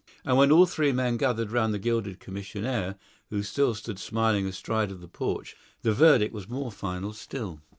And when all three men gathered round the gilded commissionaire, who still stood smiling astride of the porch, the verdict was more final still.